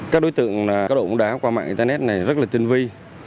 các đối tượng cá độ bóng đá qua mạng internet này rất là tinh vi